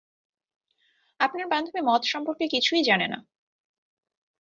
আপনার বান্ধবী মদ সম্পর্কে কিছুই জানে না।